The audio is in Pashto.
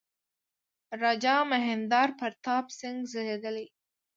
راجا مهیندرا پراتاپ سینګه زېږېدلی.